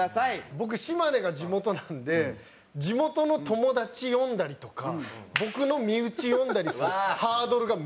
僕島根が地元なんで地元の友達呼んだりとか僕の身内呼んだりするハードルがめちゃくちゃ低くて。